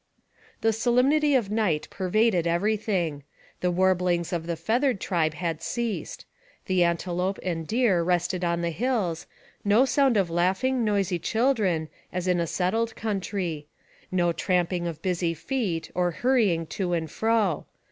The solemnity of night pervaded every thing. The warblings of the feathered tribe had ceased. The an telope and deer rested on the hills; no sound of laugh ing, noisy children, as in a settled country ; no tramp ing of busy feet, or hurrying to and fro.